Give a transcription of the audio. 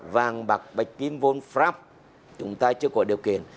vàng bạc bạch kiếm vôn pháp chúng ta chưa có điều kiện